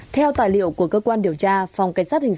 theo tài liệu của cơ quan điều tra